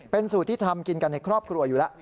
เป็นสูตรที่ทำกินกันในครอบครัวอยู่แล้ว